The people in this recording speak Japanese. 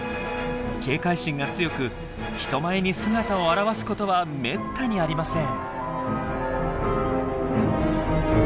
警戒心が強く人前に姿を現すことはめったにありません。